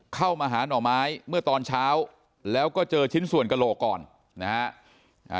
เข้ามาหาหน่อไม้เมื่อตอนเช้าแล้วก็เจอชิ้นส่วนกระโหลกก่อนนะฮะ